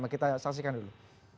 kita saksikan dulu